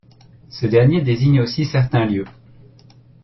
Ce dernier désigne aussi certains lieux.